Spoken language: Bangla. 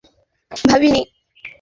কিন্তু কখনো প্রতিদানে ব্যাপারে ভাবিনি।